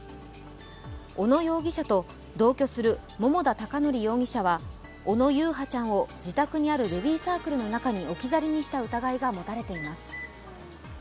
小野容疑者と同居する桃田貴徳容疑者は小野優陽ちゃんを自宅にあるベビーサークルの中に置き去りにした疑いが持たれています。